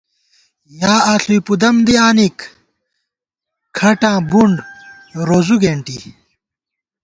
یا آݪُوئی پُدَم دی آنِک ،کھٹاں بُنڈ روزُو گېنٹی